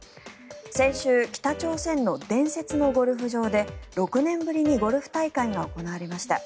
先週、北朝鮮の伝説のゴルフ場で６年ぶりにゴルフ大会が行われました。